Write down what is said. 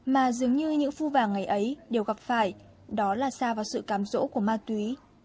mà dường như những phu vàng ngày ấy đều gặp phải đó là xa vào sự cám rỗ của ma túy